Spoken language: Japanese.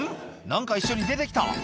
何か一緒に出て来た」